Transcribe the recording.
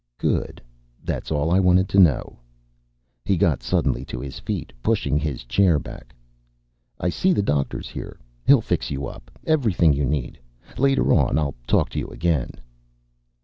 "Good. That's all I wanted to know." He got suddenly to his feet, pushing his chair back. "I see the doctor's here. He'll fix you up. Everything you need. Later on I'll talk to you again."